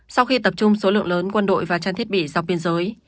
sau khi tập trung số lượng lớn quân đội và trang thiết bị dọc biên giới